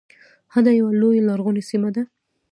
هډه یوه لویه لرغونې سیمه ده